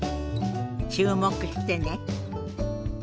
注目してね。